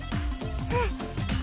うん。